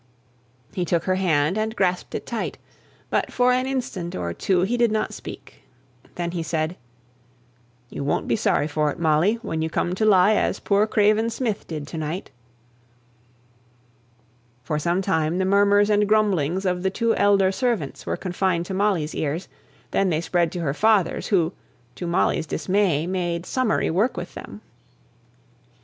'" He took her hand, and grasped it tight; but for an instant or two he did not speak. Then he said, "You won't be sorry for it, Molly, when you come to lie as poor Craven Smith did to night." For some time the murmurs and grumblings of the two elder servants were confined to Molly's ears, then they spread to her father's, who, to Molly's dismay, made summary work with them.